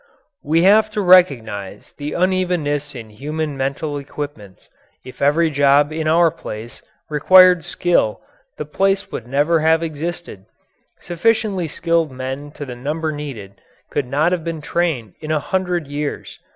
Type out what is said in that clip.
We have to recognize the unevenness in human mental equipments. If every job in our place required skill the place would never have existed. Sufficiently skilled men to the number needed could not have been trained in a hundred years.